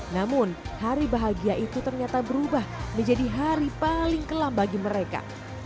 namun hari bahagia itu ternyata berubah menjadi hari paling kelam bagi mereka